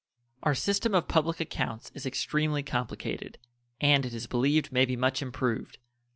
Our system of public accounts is extremely complicated, and it is believed may be much improved.